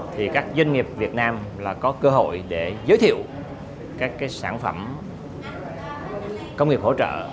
thì các doanh nghiệp việt nam có cơ hội giới thiệu các sản phẩm công nghiệp hỗ trợ